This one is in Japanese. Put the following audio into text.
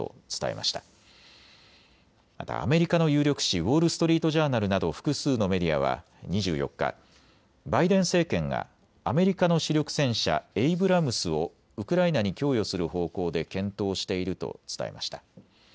またアメリカの有力紙ウォール・ストリート・ジャーナルなど複数のメディアは２４日、バイデン政権がアメリカの主力戦車エイブラムスをウクライナに供与する方向で検討していると伝えました。